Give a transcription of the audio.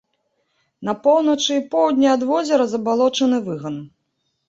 На поўначы і поўдні ад возера забалочаны выган.